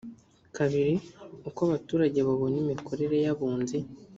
ii uko abaturage babona imikorere y’abunzi